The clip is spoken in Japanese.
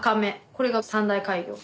これが三大怪魚。